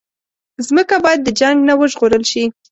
مځکه باید د جنګ نه وژغورل شي.